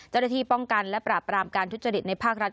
เจ้าหน้าที่ป้องกันและปราบรามการทุจริตในภาครัฐ